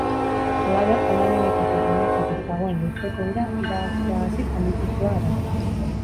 Halaber, aldamenetako guneetatik dagoen lurpeko ura iragazteagatik handituz doa arazoa.